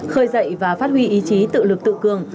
khơi dậy và phát huy ý chí tự lực tự cường